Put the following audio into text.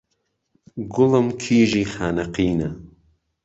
گوڵم کیژی خانهقینه